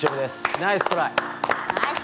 ナイストライ。